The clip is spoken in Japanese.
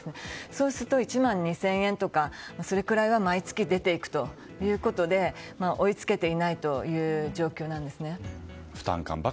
そうすると１万２０００円とかそれくらいは毎月出て行くということで追いつけていない状況なんですね。